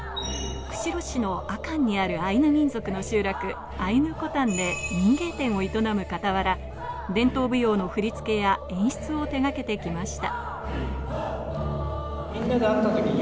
釧路市の阿寒にあるアイヌ民族の集落、アイヌコタンで民芸店を営む傍ら、伝統舞踊の振り付けや演出を手がけてきました。